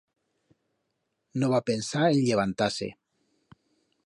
No va pensar en llevantar-se.